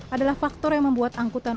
adalah faktor yang membuat angkutan